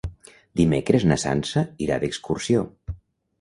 Dimecres na Sança irà d'excursió.